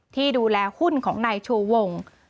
ที่ดูแลหุ้นของนายชูวง